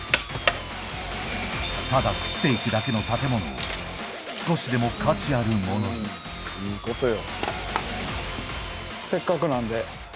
ただ朽ちて行くだけの建物を少しでも価値あるものにいいことよ。